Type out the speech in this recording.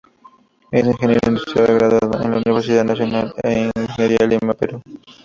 Es ingeniero industrial graduado en la Universidad Nacional de Ingeniería, Lima, Perú.